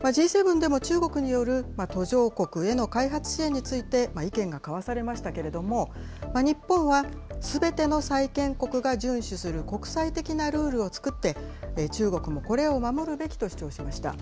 Ｇ７でも中国による途上国への開発支援について意見が交わされましたけれども、日本はすべての債権国が順守する国際的なルールを作って、中国もこれを守るべきと主張しました。